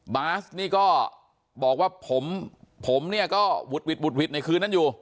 บาสนี่ก็บอกว่าผมเนี่ยก็วุดวิดวุดหวิดในคืนนั้นอยู่